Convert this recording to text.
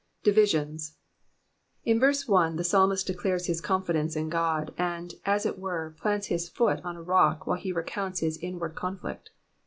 Divisions. — In verse 1 the psalmist declares his confidence in God, and, as ii toere, plants his foot on a rock while he recounts his inward covfiict.